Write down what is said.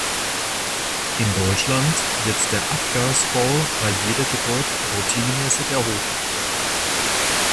In Deutschland wird der Apgar-Score bei jeder Geburt routinemäßig erhoben.